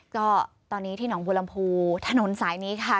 ก็ตอนนี้ที่หนองบัวลำพูถนนสายนี้ค่ะ